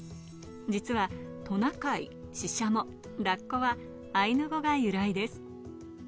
実はトナカイ、シシャモ、ラッコはアイヌ語が由来です。